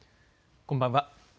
こんばんは。